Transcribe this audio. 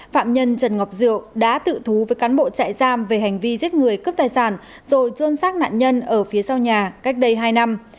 phạm nhân trần ngọc diệu đã tự thú với cán bộ trại giam về hành vi giết người cướp tài sản rồi trôn sát nạn nhân ở phía sau nhà cách đây hai năm